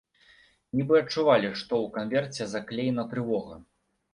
Нібы адчувалі, што ў канверце заклеена трывога.